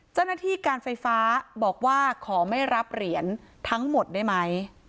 เจ้าหน้าที่การไฟฟ้าบอกว่าขอไม่รับเหรียญทั้งหมดได้ไหม